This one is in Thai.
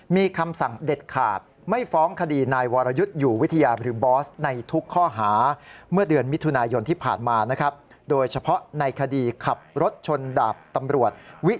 มีคำสั่งเด็ดขาด